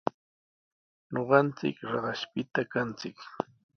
Ñuqanchik Raqashpita kanchik.